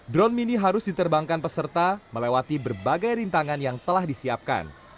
drone mini harus diterbangkan peserta melewati berbagai rintangan yang telah disiapkan